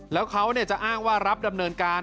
แล้วเขาจะอ้างว่ารับดำเนินการ